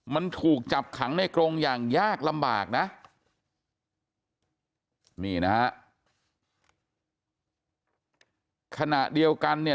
มันถูกจับขังในกรงอย่างยากลำบากนะนี่นะฮะขณะเดียวกันเนี่ย